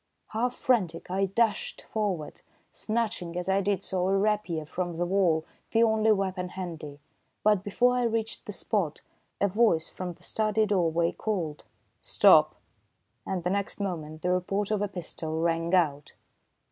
Half frantic, I dashed forward, snatching as I did so a rapier from the wall, the only weapon handy. But before I reached the spot, a voice from the study doorway called: "Stop!" and the next moment the report of a pistol rang out.